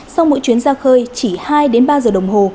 sau mỗi chuyến ra khơi chỉ hai đến ba giờ đồng hồ